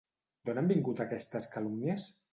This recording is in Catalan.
D'on han vingut aquestes calúmnies?